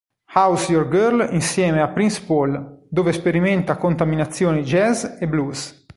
How's Your Girl" insieme a Prince Paul, dove sperimenta contaminazioni jazz e blues.